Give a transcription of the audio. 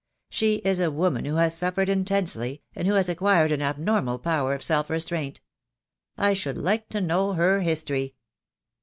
She is a woman who has suffered intensely, and who has acquired an abnormal power of self restraint. I should like to know her history."